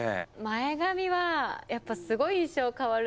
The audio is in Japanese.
前髪はやっぱすごい印象変わる。